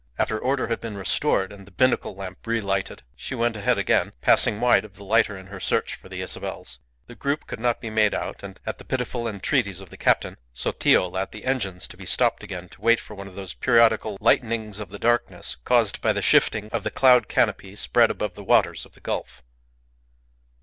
After order had been restored, and the binnacle lamp relighted, she went ahead again, passing wide of the lighter in her search for the Isabels. The group could not be made out, and, at the pitiful entreaties of the captain, Sotillo allowed the engines to be stopped again to wait for one of those periodical lightenings of darkness caused by the shifting of the cloud canopy spread above the waters of the gulf.